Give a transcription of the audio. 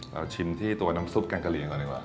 เราชิมที่ตัวน้ำซุปแกงกะเลียงก่อนดีกว่า